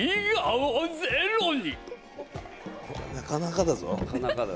なかなかだよ。